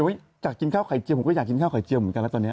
อยากกินข้าวไข่เจียวผมก็อยากกินข้าวไข่เจียวเหมือนกันแล้วตอนนี้